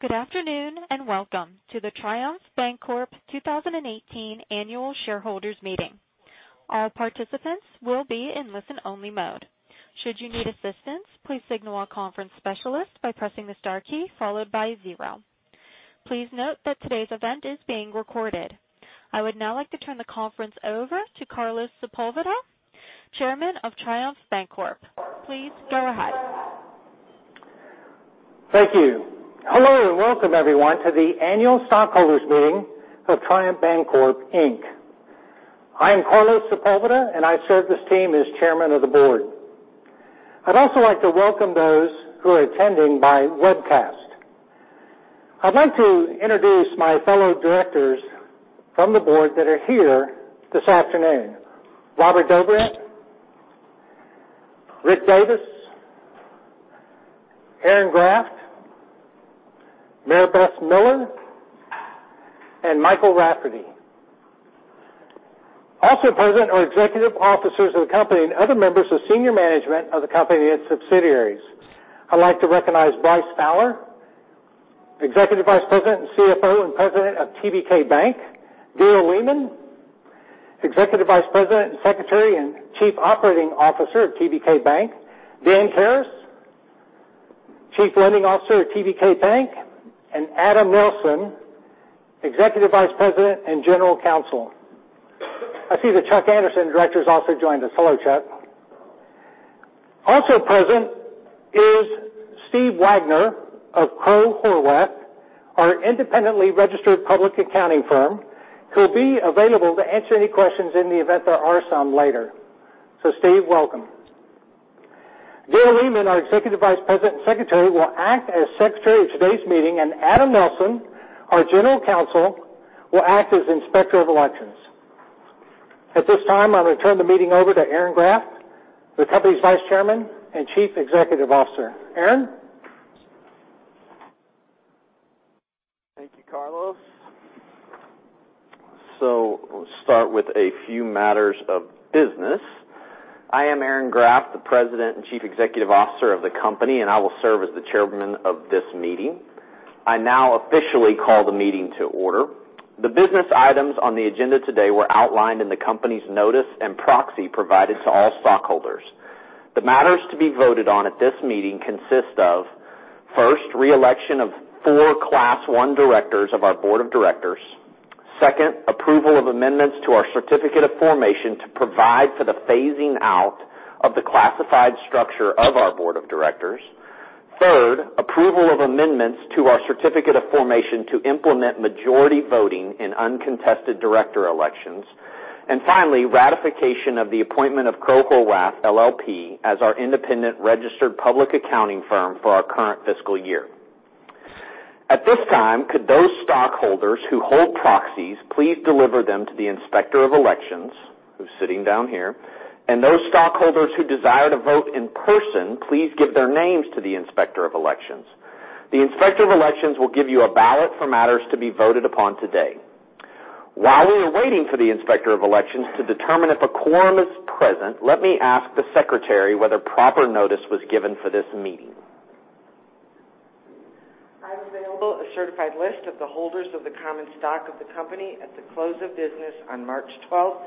Good afternoon, and welcome to the Triumph Bancorp 2018 annual shareholders meeting. All participants will be in listen-only mode. Should you need assistance, please signal our conference specialist by pressing the star key followed by zero. Please note that today's event is being recorded. I would now like to turn the conference over to Carlos Sepulveda, chairman of Triumph Bancorp. Please go ahead. Thank you. Hello, and welcome everyone to the annual stockholders meeting of Triumph Bancorp Inc. I am Carlos Sepulveda, and I serve this team as chairman of the board. I'd also like to welcome those who are attending by webcast. I'd like to introduce my fellow directors from the board that are here this afternoon, Robert Dobrient, Rick Davis, Aaron Graft, Maribess Miller, and Michael Rafferty. Also present are Executive Officers of the company and other members of senior management of the company and subsidiaries. I'd like to recognize Bryce Fowler, Executive Vice President and CFO and President of TBK Bank; Gail Lehmann, Executive Vice President and Secretary and Chief Operating Officer of TBK Bank; Dan Harris, Chief Lending Officer at TBK Bank; and Adam Nelson, Executive Vice President and General Counsel. I see that Chuck Anderson, director, has also joined us. Hello, Chuck. Also present is Steve Wagner of CohnReznick, our independently registered public accounting firm, who will be available to answer any questions in the event there are some later. Steve, welcome. Gail Lehmann, our Executive Vice President and Secretary, will act as secretary of today's meeting, and Adam Nelson, our General Counsel, will act as Inspector of Elections. At this time, I'll turn the meeting over to Aaron Graft, the company's Vice Chairman and Chief Executive Officer. Aaron? Thank you, Carlos. Let's start with a few matters of business. I am Aaron Graft, the President and Chief Executive Officer of the company, and I will serve as the chairman of this meeting. I now officially call the meeting to order. The business items on the agenda today were outlined in the company's notice and proxy provided to all stockholders. The matters to be voted on at this meeting consist of, first, re-election of four Class I directors of our board of directors; second, approval of amendments to our certificate of formation to provide for the phasing out of the classified structure of our board of directors; third, approval of amendments to our certificate of formation to implement majority voting in uncontested director elections; and finally, ratification of the appointment of CohnReznick LLP as our independent registered public accounting firm for our current fiscal year. At this time, could those stockholders who hold proxies please deliver them to the Inspector of Elections, who's sitting down here, and those stockholders who desire to vote in person, please give their names to the Inspector of Elections. The Inspector of Elections will give you a ballot for matters to be voted upon today. While we are waiting for the Inspector of Elections to determine if a quorum is present, let me ask the secretary whether proper notice was given for this meeting. I have available a certified list of the holders of the common stock of the company at the close of business on March 12th,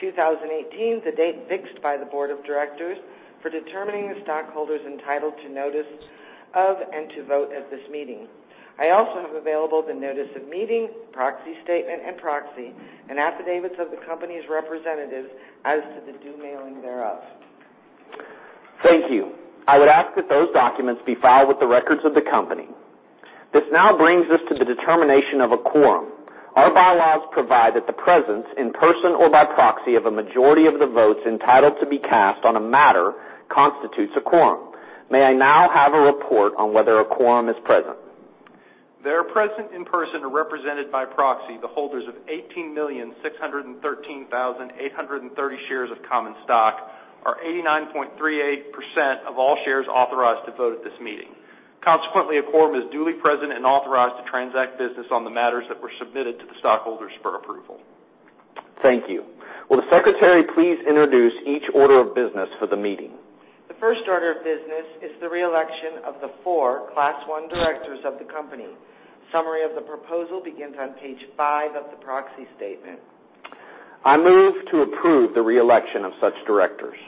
2018, the date fixed by the board of directors for determining the stockholders entitled to notice of and to vote at this meeting. I also have available the notice of meeting, proxy statement and proxy, and affidavits of the company's representatives as to the due mailing thereof. Thank you. I would ask that those documents be filed with the records of the company. This now brings us to the determination of a quorum. Our bylaws provide that the presence, in person or by proxy, of a majority of the votes entitled to be cast on a matter constitutes a quorum. May I now have a report on whether a quorum is present? There present in person or represented by proxy, the holders of 18,613,830 shares of common stock, or 89.38% of all shares authorized to vote at this meeting. Consequently, a quorum is duly present and authorized to transact business on the matters that were submitted to the stockholders for approval. Thank you. Will the secretary please introduce each order of business for the meeting? The first order of business is the re-election of the four Class I directors of the company. Summary of the proposal begins on page five of the proxy statement. I move to approve the re-election of such directors.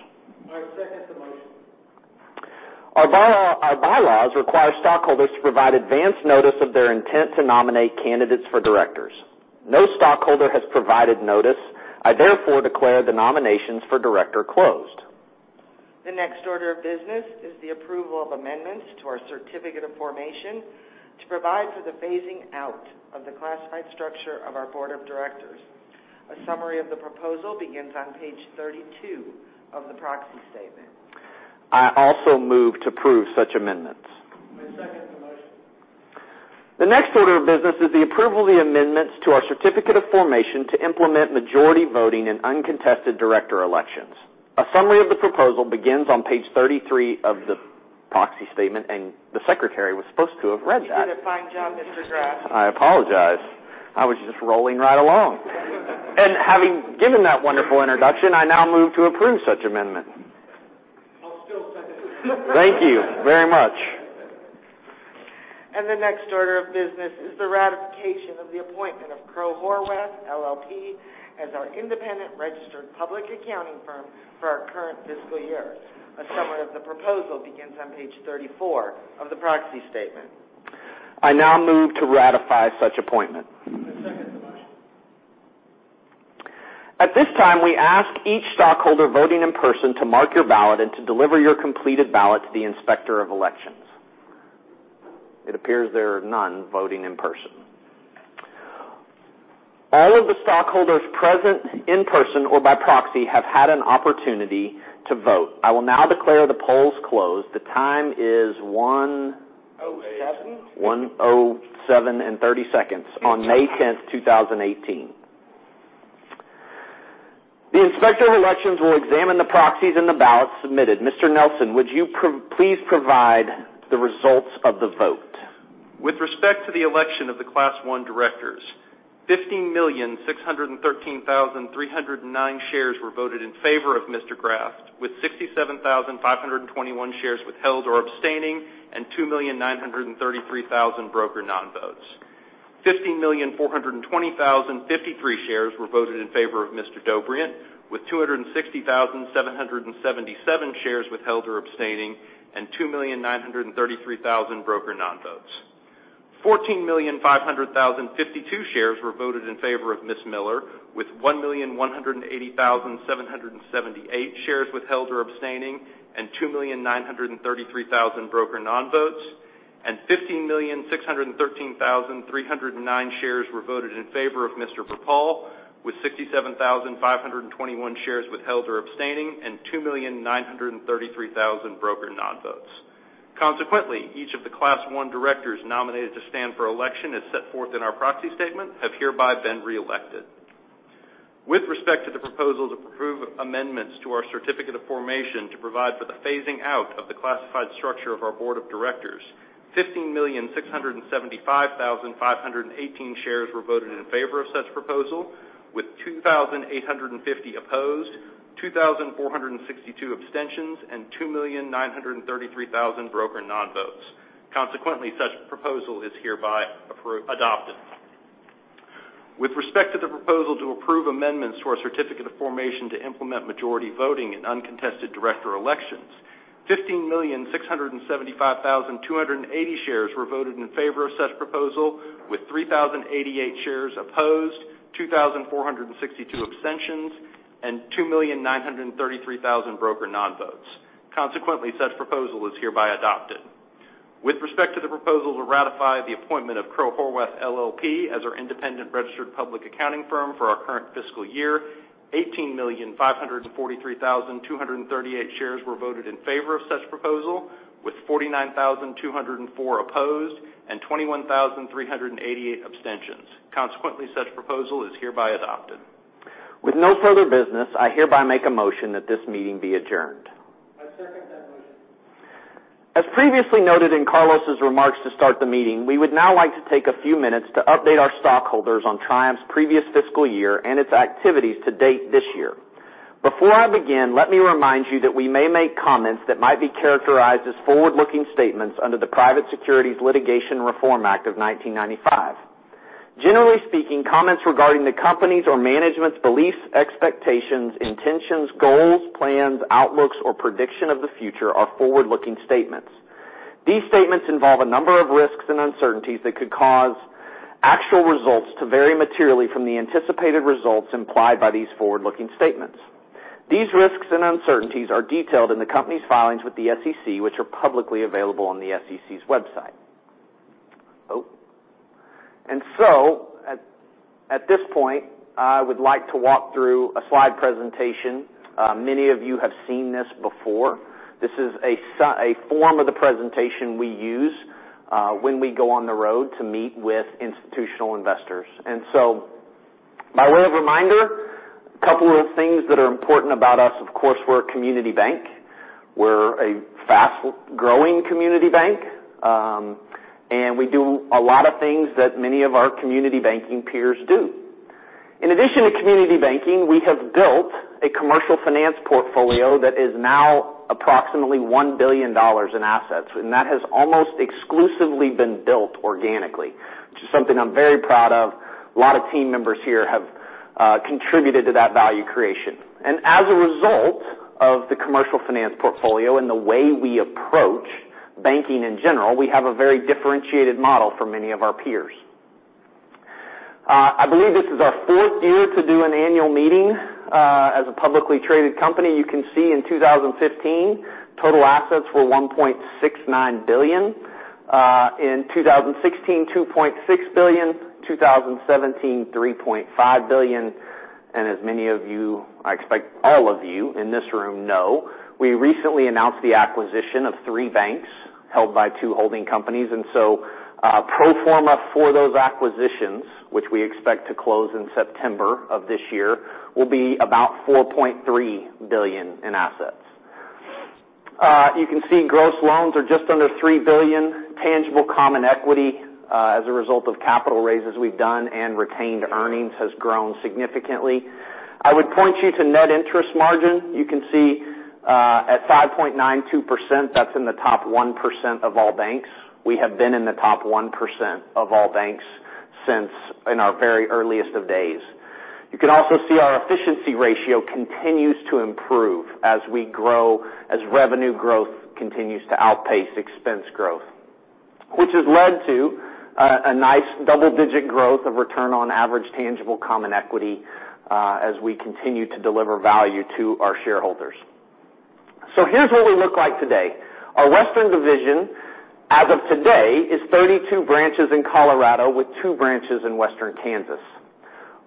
I second the motion. Our bylaws require stockholders to provide advance notice of their intent to nominate candidates for directors. No stockholder has provided notice. I therefore declare the nominations for director closed. The next order of business is the approval of amendments to our certificate of formation to provide for the phasing out of the classified structure of our board of directors. A summary of the proposal begins on page 32 of the proxy statement. I also move to approve such amendments. I second the motion. The next order of business is the approval of the amendments to our certificate of formation to implement majority voting in uncontested director elections. A summary of the proposal begins on page 33 of the proxy statement, the secretary was supposed to have read that. You did a fine job, Mr. Graft. I apologize. I was just rolling right along. Having given that wonderful introduction, I now move to approve such amendments. Thank you very much. The next order of business is the ratification of the appointment of Crowe Horwath LLP as our independent registered public accounting firm for our current fiscal year. A summary of the proposal begins on page 34 of the proxy statement. I now move to ratify such appointment. I second the motion. At this time, we ask each stockholder voting in person to mark your ballot and to deliver your completed ballot to the Inspector of Elections. It appears there are none voting in person. All of the stockholders present in person or by proxy have had an opportunity to vote. I will now declare the polls closed. The time is 1:07 and 30 seconds on May 10th, 2018. The Inspector of Elections will examine the proxies and the ballots submitted. Mr. Nelson, would you please provide the results of the vote? With respect to the election of the Class I directors, 15,613,309 shares were voted in favor of Mr. Graft, with 67,521 shares withheld or abstaining, and 2,933,000 broker non-votes. 15,420,053 shares were voted in favor of Mr. Dobrient, with 260,777 shares withheld or abstaining, and 2,933,000 broker non-votes. 14,500,052 shares were voted in favor of Ms. Miller, with 1,180,778 shares withheld or abstaining, and 2,933,000 broker non-votes. 15,613,309 shares were voted in favor of Mr. Perpall, with 67,521 shares withheld or abstaining, and 2,933,000 broker non-votes. Consequently, each of the Class I directors nominated to stand for election, as set forth in our proxy statement, have hereby been re-elected. With respect to the proposal to approve amendments to our certificate of formation to provide for the phasing out of the classified structure of our board of directors, 15,675,518 shares were voted in favor of such proposal, with 2,850 opposed, 2,462 abstentions, and 2,933,000 broker non-votes. Consequently, such proposal is hereby adopted. With respect to the proposal to approve amendments to our certificate of formation to implement majority voting in uncontested director elections, 15,675,280 shares were voted in favor of such proposal, with 3,088 shares opposed, 2,462 abstentions, and 2,933,000 broker non-votes. Consequently, such proposal is hereby adopted. With respect to the proposal to ratify the appointment of CohnReznick LLP as our independent registered public accounting firm for our current fiscal year, 18,543,238 shares were voted in favor of such proposal, with 49,204 opposed and 21,388 abstentions. Consequently, such proposal is hereby adopted. With no further business, I hereby make a motion that this meeting be adjourned. I second that motion. As previously noted in Carlos' remarks to start the meeting, we would now like to take a few minutes to update our stockholders on Triumph's previous fiscal year and its activities to date this year. Before I begin, let me remind you that we may make comments that might be characterized as forward-looking statements under the Private Securities Litigation Reform Act of 1995. Generally speaking, comments regarding the company's or management's beliefs, expectations, intentions, goals, plans, outlooks, or prediction of the future are forward-looking statements. These statements involve a number of risks and uncertainties that could cause actual results to vary materially from the anticipated results implied by these forward-looking statements. These risks and uncertainties are detailed in the company's filings with the SEC, which are publicly available on the SEC's website. At this point, I would like to walk through a slide presentation. Many of you have seen this before. This is a form of the presentation we use when we go on the road to meet with institutional investors. By way of reminder, a couple of things that are important about us. Of course, we're a community bank. We're a fast-growing community bank, and we do a lot of things that many of our community banking peers do. In addition to community banking, we have built a commercial finance portfolio that is now approximately $1 billion in assets, and that has almost exclusively been built organically, which is something I'm very proud of. A lot of team members here have contributed to that value creation. As a result of the commercial finance portfolio and the way we approach banking in general, we have a very differentiated model from many of our peers. I believe this is our fourth year to do an annual meeting as a publicly traded company. You can see in 2015, total assets were $1.69 billion. In 2016, $2.6 billion. 2017, $3.5 billion. As many of you, I expect all of you in this room know, we recently announced the acquisition of three banks held by two holding companies. Pro forma for those acquisitions, which we expect to close in September of this year, will be about $4.3 billion in assets. You can see gross loans are just under $3 billion. Tangible common equity as a result of capital raises we've done and retained earnings has grown significantly. I would point you to net interest margin. You can see, at 5.92%, that's in the top 1% of all banks. We have been in the top 1% of all banks since in our very earliest of days. You can also see our efficiency ratio continues to improve as we grow, as revenue growth continues to outpace expense growth, which has led to a nice double-digit growth of return on average tangible common equity as we continue to deliver value to our shareholders. Here's what we look like today. Our Western division, as of today, is 32 branches in Colorado with two branches in Western Kansas.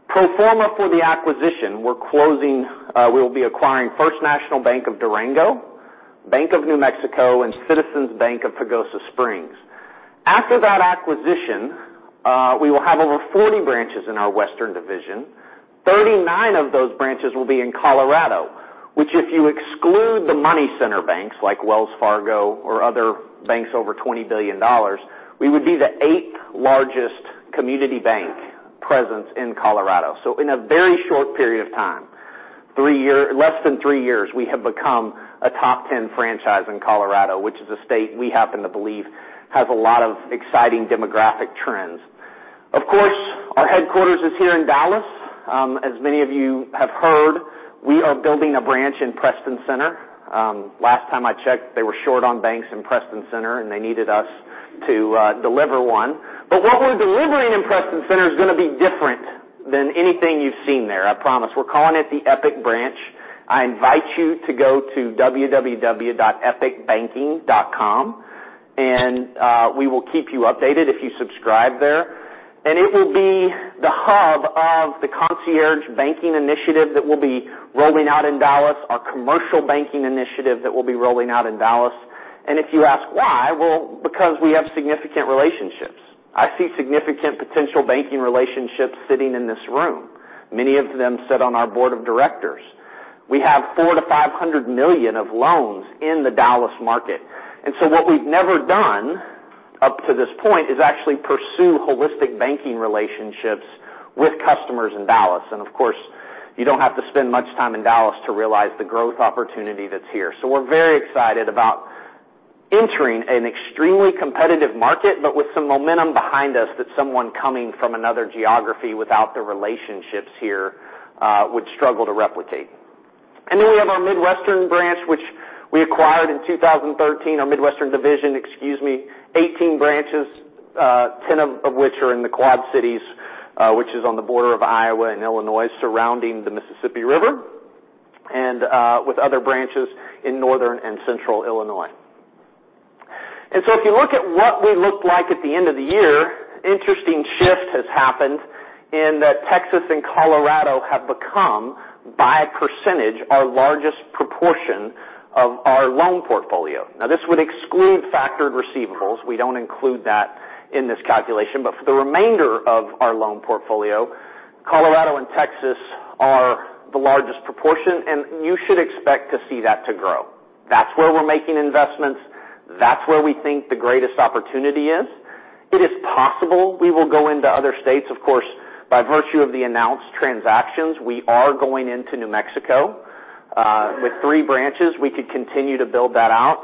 Pro forma for the acquisition, we'll be acquiring The First National Bank of Durango, Bank of New Mexico, and Citizens Bank of Pagosa Springs. After that acquisition, we will have over 40 branches in our Western division. 39 of those branches will be in Colorado, which if you exclude the money center banks like Wells Fargo or other banks over $20 billion, we would be the eighth-largest community bank presence in Colorado. In a very short period of time, less than three years, we have become a top 10 franchise in Colorado, which is a state we happen to believe has a lot of exciting demographic trends. Of course, our headquarters is here in Dallas. As many of you have heard, we are building a branch in Preston Center. Last time I checked, they were short on banks in Preston Center, and they needed us to deliver one. What we're delivering in Preston Center is going to be different than anything you've seen there, I promise. We're calling it the Epic Branch. I invite you to go to www.epicbanking.com, and we will keep you updated if you subscribe there. It will be the hub of the concierge banking initiative that we'll be rolling out in Dallas, our commercial banking initiative that we'll be rolling out in Dallas. If you ask why, because we have significant relationships. I see significant potential banking relationships sitting in this room. Many of them sit on our board of directors. We have $400 million-$500 million of loans in the Dallas market. What we've never done up to this point is actually pursue holistic banking relationships with customers in Dallas. Of course, you don't have to spend much time in Dallas to realize the growth opportunity that's here. We're very excited about entering an extremely competitive market, but with some momentum behind us that someone coming from another geography without the relationships here would struggle to replicate. We have our Midwestern branch, which we acquired in 2013, our Midwestern division, excuse me. 18 branches, 10 of which are in the Quad Cities, which is on the border of Iowa and Illinois, surrounding the Mississippi River, and with other branches in Northern and Central Illinois. If you look at what we look like at the end of the year, interesting shift has happened in that Texas and Colorado have become, by a percentage, our largest proportion of our loan portfolio. This would exclude factored receivables. We don't include that in this calculation. For the remainder of our loan portfolio, Colorado and Texas are the largest proportion, and you should expect to see that to grow. That's where we're making investments. That's where we think the greatest opportunity is. It is possible we will go into other states. Of course, by virtue of the announced transactions, we are going into New Mexico, with three branches. We could continue to build that out.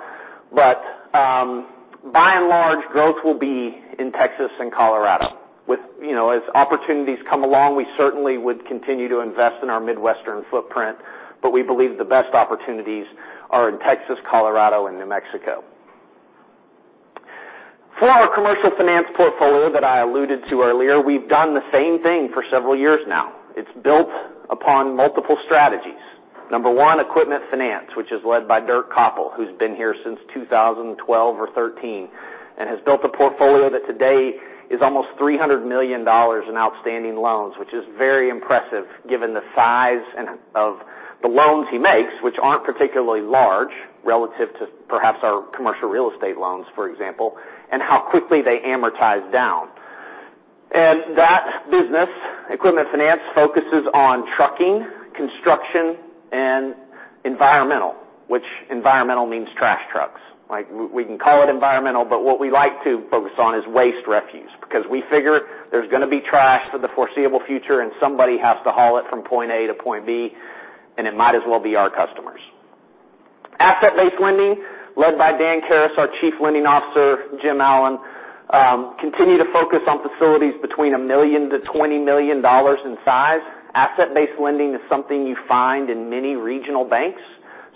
By and large, growth will be in Texas and Colorado. As opportunities come along, we certainly would continue to invest in our Midwestern footprint, but we believe the best opportunities are in Texas, Colorado, and New Mexico. For our commercial finance portfolio that I alluded to earlier, we've done the same thing for several years now. It's built upon multiple strategies. Number one, equipment finance, which is led by Dirk Copple, who's been here since 2012 or 2013 and has built a portfolio that today is almost $300 million in outstanding loans, which is very impressive given the size of the loans he makes, which aren't particularly large relative to perhaps our commercial real estate loans, for example, and how quickly they amortize down. That business, equipment finance, focuses on trucking, construction, and environmental, which environmental means trash trucks. We can call it environmental, but what we like to focus on is waste refuse because we figure there's going to be trash for the foreseeable future and somebody has to haul it from point A to point B, and it might as well be our customers. Asset-based lending, led by Dan Karas, our Chief Lending Officer, Jim Allen, continue to focus on facilities between $1 million-$20 million in size. Asset-based lending is something you find in many regional banks.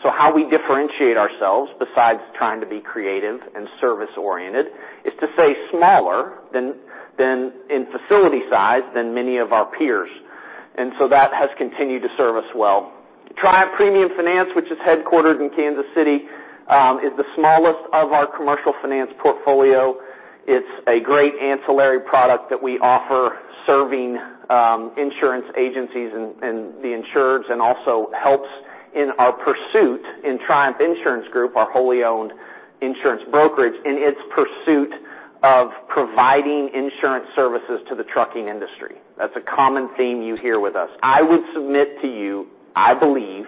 How we differentiate ourselves, besides trying to be creative and service-oriented, is to say smaller in facility size than many of our peers. That has continued to serve us well. Triumph Premium Finance, which is headquartered in Kansas City, is the smallest of our commercial finance portfolio. It's a great ancillary product that we offer serving insurance agencies and the insurers, also helps in our pursuit in Triumph Insurance Group, our wholly owned insurance brokerage, in its pursuit of providing insurance services to the trucking industry. That's a common theme you hear with us. I would submit to you, I believe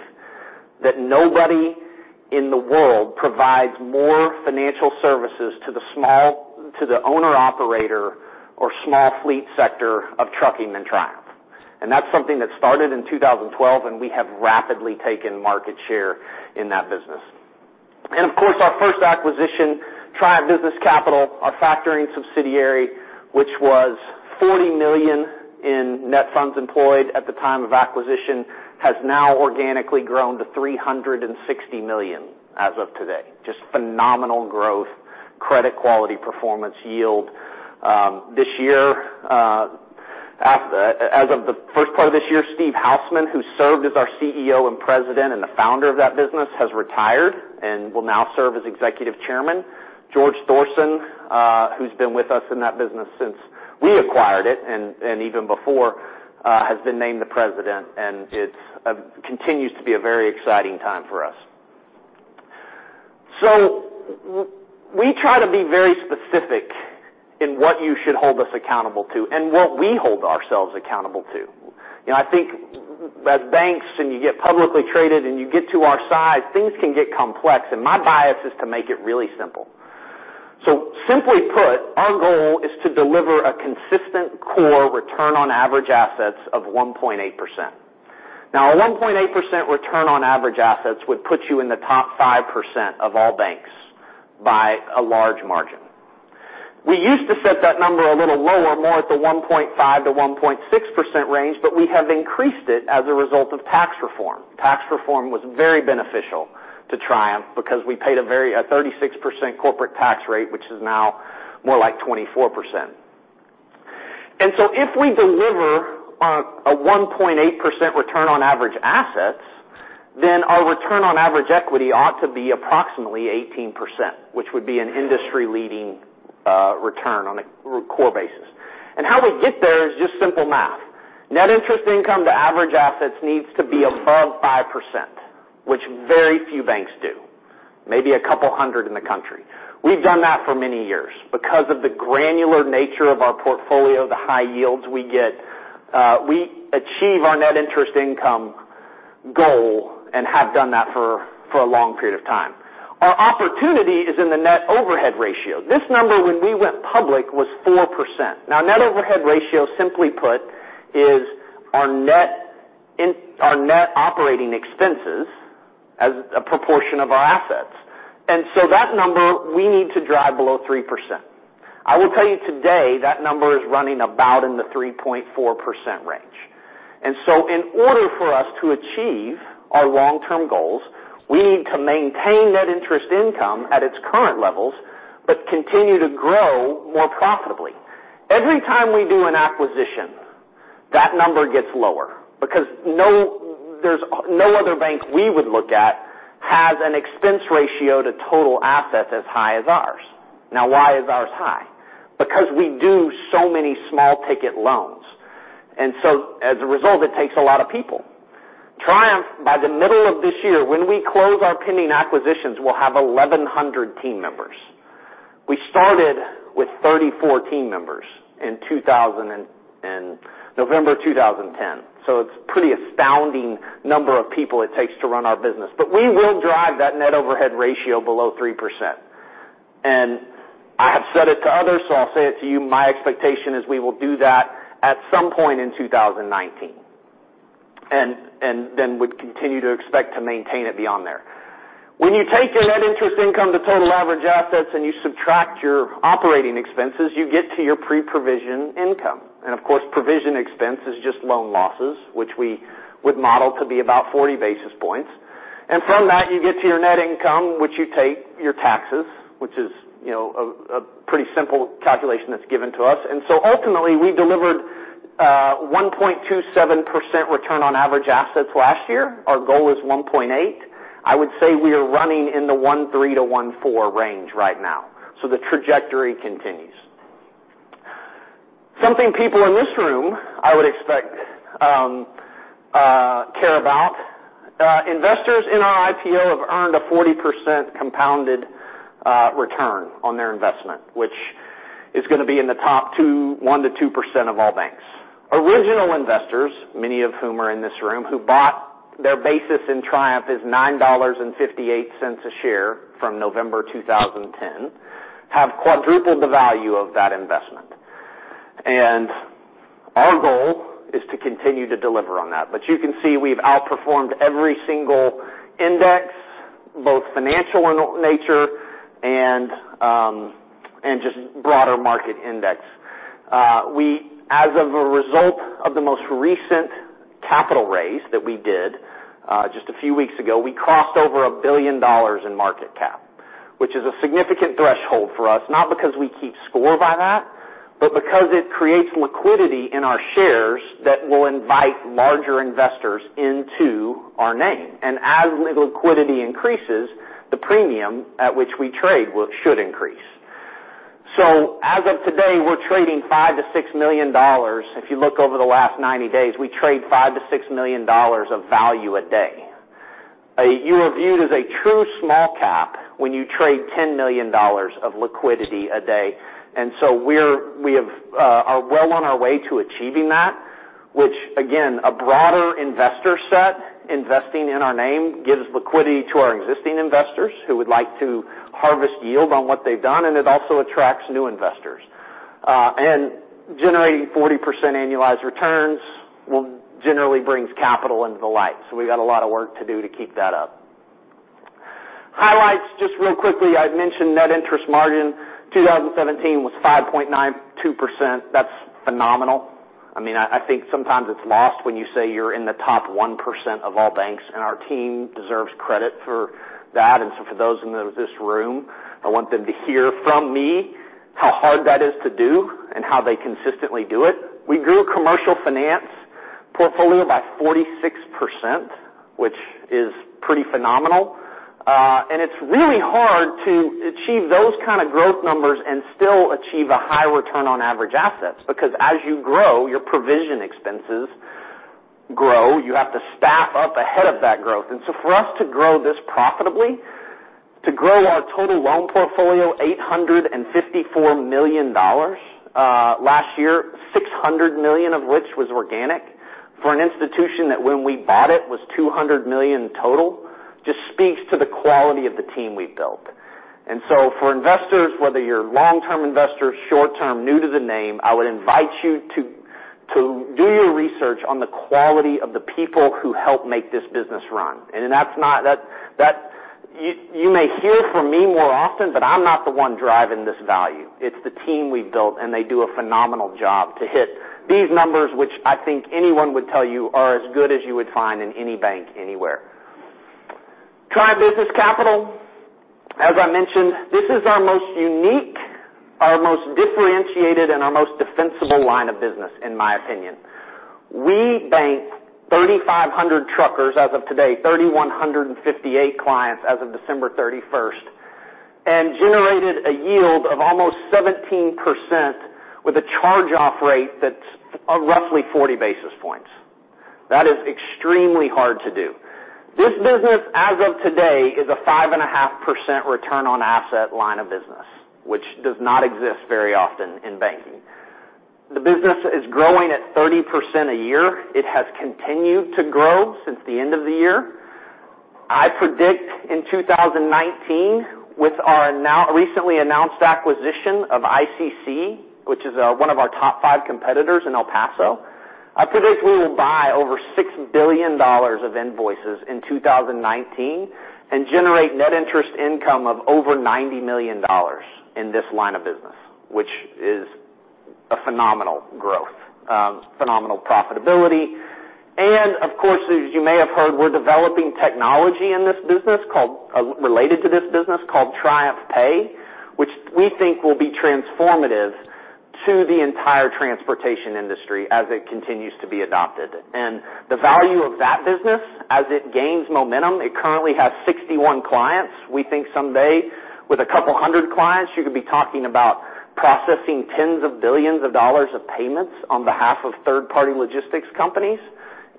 that nobody in the world provides more financial services to the owner/operator or small fleet sector of trucking than Triumph. That's something that started in 2012, and we have rapidly taken market share in that business. Of course, our first acquisition, Triumph Business Capital, our factoring subsidiary, which was $40 million in net funds employed at the time of acquisition, has now organically grown to $360 million as of today. Just phenomenal growth, credit quality, performance yield. This year, as of the first part of this year, Steve Hausman, who served as our CEO and President and the founder of that business, has retired and will now serve as Executive Chairman. George Thorson, who's been with us in that business since we acquired it, even before, has been named the President, and it continues to be a very exciting time for us. We try to be very specific in what you should hold us accountable to and what we hold ourselves accountable to. I think as banks, you get publicly traded, you get to our size, things can get complex, my bias is to make it really simple. Simply put, our goal is to deliver a consistent core return on average assets of 1.8%. A 1.8% return on average assets would put you in the top 5% of all banks by a large margin. We used to set that number a little lower, more at the 1.5%-1.6% range, but we have increased it as a result of tax reform. Tax reform was very beneficial to Triumph because we paid a 36% corporate tax rate, which is now more like 24%. If we deliver a 1.8% return on average assets, then our return on average equity ought to be approximately 18%, which would be an industry-leading return on a core basis. How we get there is just simple math. Net interest income to average assets needs to be above 5%, which very few banks do. Maybe a couple hundred in the country. We've done that for many years because of the granular nature of our portfolio, the high yields we get. We achieve our net interest income goal and have done that for a long period of time. Our opportunity is in the net overhead ratio. This number, when we went public, was 4%. Net overhead ratio, simply put, is our net operating expenses as a proportion of our assets. That number, we need to drive below 3%. I will tell you today, that number is running about in the 3.4% range. In order for us to achieve our long-term goals, we need to maintain net interest income at its current levels but continue to grow more profitably. Every time we do an acquisition, that number gets lower because no other bank we would look at has an expense ratio to total assets as high as ours. Now, why is ours high? Because we do so many small-ticket loans, as a result, it takes a lot of people. Triumph, by the middle of this year, when we close our pending acquisitions, will have 1,100 team members. We started with 34 team members in November 2010. It's pretty astounding number of people it takes to run our business. We will drive that net overhead ratio below 3%. I have said it to others, so I'll say it to you, my expectation is we will do that at some point in 2019, and then would continue to expect to maintain it beyond there. When you take your net interest income to total average assets and you subtract your operating expenses, you get to your pre-provision income. Of course, provision expense is just loan losses, which we would model to be about 40 basis points. From that, you get to your net income, which you take your taxes, which is a pretty simple calculation that's given to us. Ultimately, we delivered a 1.27% return on average assets last year. Our goal is 1.8. I would say we are running in the 1.3%-1.4% range right now. The trajectory continues. Something people in this room, I would expect, care about. Investors in our IPO have earned a 40% compounded return on their investment, which is going to be in the top 1%-2% of all banks. Original investors, many of whom are in this room, who bought their basis in Triumph as $9.58 a share from November 2010, have quadrupled the value of that investment. Our goal is to continue to deliver on that. You can see we've outperformed every single index, both financial in nature and just broader market index. As of a result of the most recent capital raise that we did just a few weeks ago, we crossed over $1 billion in market cap, which is a significant threshold for us, not because we keep score by that, but because it creates liquidity in our shares that will invite larger investors into our name. As liquidity increases, the premium at which we trade should increase. As of today, we're trading $5 million-$6 million. If you look over the last 90 days, we trade $5 million-$6 million of value a day. You are viewed as a true small cap when you trade $10 million of liquidity a day. We are well on our way to achieving that. Which again, a broader investor set investing in our name gives liquidity to our existing investors who would like to harvest yield on what they've done, and it also attracts new investors. Generating 40% annualized returns generally brings capital into the light. We've got a lot of work to do to keep that up. Highlights, just real quickly. I'd mentioned net interest margin, 2017 was 5.92%. That's phenomenal. I think sometimes it's lost when you say you're in the top 1% of all banks, and our team deserves credit for that. For those in this room, I want them to hear from me how hard that is to do and how they consistently do it. We grew commercial finance portfolio by 46%, which is pretty phenomenal. It's really hard to achieve those kind of growth numbers and still achieve a high return on average assets, because as you grow, your provision expenses grow. You have to staff up ahead of that growth. For us to grow this profitably, to grow our total loan portfolio $854 million last year, $600 million of which was organic, for an institution that, when we bought it, was $200 million total, just speaks to the quality of the team we've built. For investors, whether you're long-term investors, short-term, new to the name, I would invite you to do your research on the quality of the people who help make this business run. You may hear from me more often, but I'm not the one driving this value. It's the team we've built, and they do a phenomenal job to hit these numbers, which I think anyone would tell you are as good as you would find in any bank anywhere. Triumph Business Capital, as I mentioned, this is our most unique, our most differentiated, and our most defensible line of business in my opinion. We bank 3,500 truckers as of today, 3,158 clients as of December 31st, and generated a yield of almost 17% with a charge-off rate that's roughly 40 basis points. That is extremely hard to do. This business, as of today, is a 5.5% return on asset line of business, which does not exist very often in banking. The business is growing at 30% a year. It has continued to grow since the end of the year. I predict in 2019, with our recently announced acquisition of ICC, which is one of our top five competitors in El Paso, I predict we will buy over $6 billion of invoices in 2019 and generate net interest income of over $90 million in this line of business, which is a phenomenal growth, phenomenal profitability. Of course, as you may have heard, we're developing technology related to this business called TriumphPay, which we think will be transformative to the entire transportation industry as it continues to be adopted. The value of that business, as it gains momentum, it currently has 61 clients. We think someday with a couple hundred clients, you could be talking about processing tens of billions of dollars of payments on behalf of third-party logistics companies.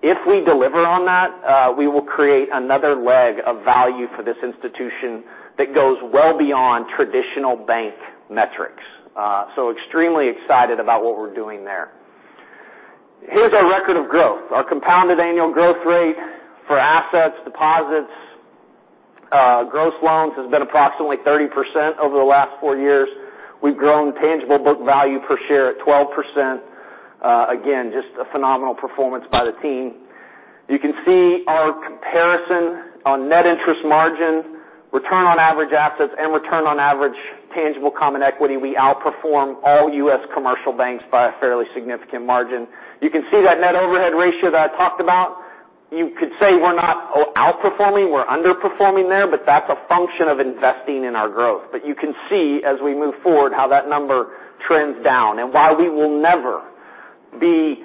If we deliver on that, we will create another leg of value for this institution that goes well beyond traditional bank metrics. Extremely excited about what we're doing there. Here's our record of growth. Our compounded annual growth rate for assets, deposits, gross loans has been approximately 30% over the last four years. We've grown tangible book value per share at 12%. Again, just a phenomenal performance by the team. You can see our comparison on net interest margin, return on average assets, and return on average tangible common equity. We outperform all U.S. commercial banks by a fairly significant margin. You can see that net overhead ratio that I talked about. You could say we're not outperforming, we're underperforming there, but that's a function of investing in our growth. You can see as we move forward how that number trends down. While we will never be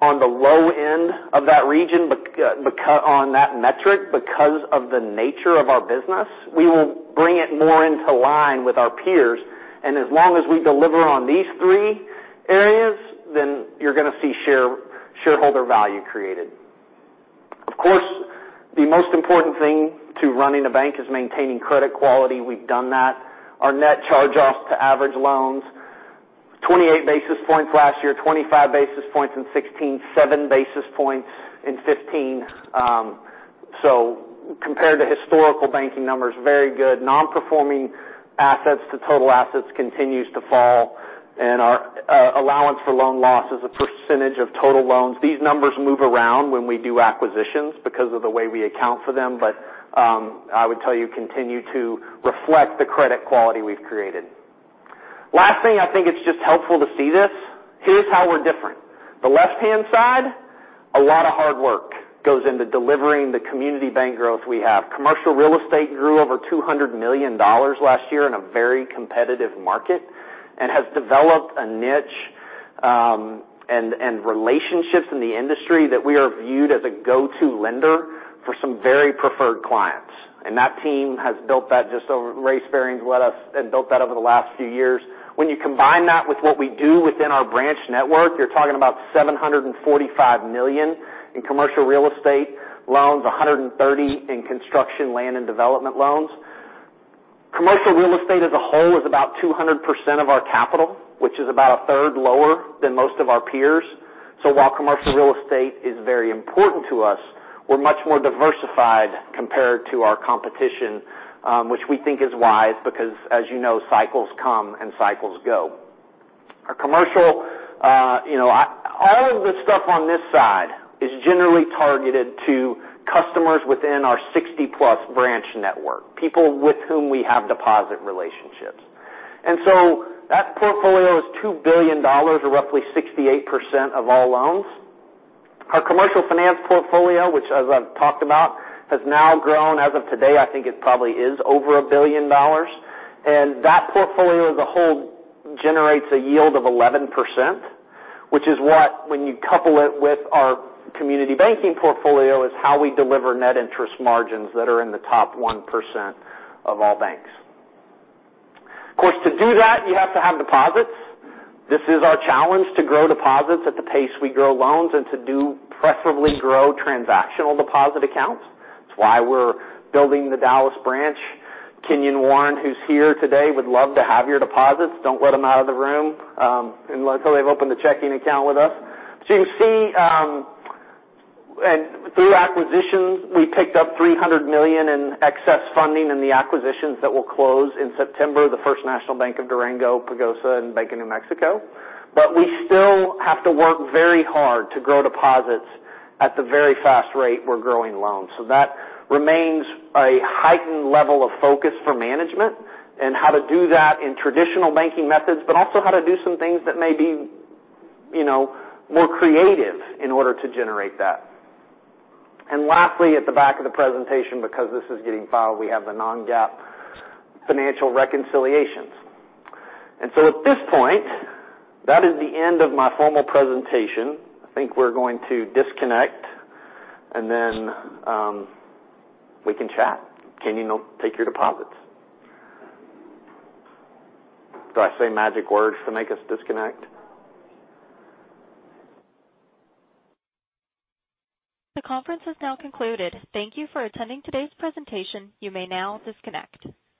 on the low end of that region on that metric because of the nature of our business, we will bring it more into line with our peers. As long as we deliver on these three areas, then you're going to see shareholder value created. Of course, the most important thing to running a bank is maintaining credit quality. We've done that. Our net charge-offs to average loans, 28 basis points last year, 25 basis points in 2016, 7 basis points in 2015. Compared to historical banking numbers, very good. Non-performing assets to total assets continues to fall, and our allowance for loan loss as a percentage of total loans. These numbers move around when we do acquisitions because of the way we account for them, but I would tell you, continue to reflect the credit quality we've created. Last thing, I think it's just helpful to see this. Here's how we're different. The left-hand side, a lot of hard work goes into delivering the community bank growth we have. Commercial real estate grew over $200 million last year in a very competitive market, and has developed a niche and relationships in the industry that we are viewed as a go-to lender for some very preferred clients. That team has built that Ray Sperring led us and built that over the last few years. When you combine that with what we do within our branch network, you're talking about $745 million in commercial real estate loans, $130 in construction land and development loans. Commercial real estate as a whole is about 200% of our capital, which is about a third lower than most of our peers. While commercial real estate is very important to us, we're much more diversified compared to our competition, which we think is wise because as you know, cycles come and cycles go. Our commercial, all of the stuff on this side is generally targeted to customers within our 60-plus branch network, people with whom we have deposit relationships. That portfolio is $2 billion, or roughly 68% of all loans. Our commercial finance portfolio, which as I've talked about, has now grown. As of today, I think it probably is over a billion dollars. That portfolio as a whole generates a yield of 11%, which is what, when you couple it with our community banking portfolio, is how we deliver net interest margins that are in the top 1% of all banks. Of course, to do that, you have to have deposits. This is our challenge to grow deposits at the pace we grow loans and to preferably grow transactional deposit accounts. It's why we're building the Dallas branch. Kenyon Warren, who's here today, would love to have your deposits. Don't let him out of the room until they've opened a checking account with us. You see, through acquisitions, we picked up $300 million in excess funding in the acquisitions that will close in September, the First National Bank of Durango, Pagosa, and Bank of New Mexico. We still have to work very hard to grow deposits at the very fast rate we're growing loans. That remains a heightened level of focus for management and how to do that in traditional banking methods, but also how to do some things that may be more creative in order to generate that. Lastly, at the back of the presentation, because this is getting filed, we have the non-GAAP financial reconciliations. At this point, that is the end of my formal presentation. I think we're going to disconnect, then we can chat. Kenyon will take your deposits. Do I say magic words to make us disconnect? The conference has now concluded. Thank you for attending today's presentation. You may now disconnect.